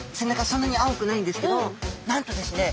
そんなに青くないんですけどなんとですね